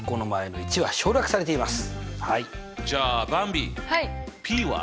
じゃあばんびｐは？